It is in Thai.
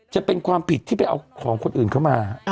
จะเป็นความผิดที่ไปเอาของคนอื่นเข้ามา